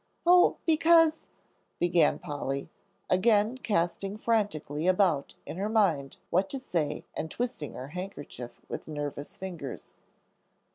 "Oh, because " began Polly, again casting frantically about in her mind what to say and twisting her handkerchief with nervous fingers.